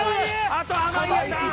あと濱家さん。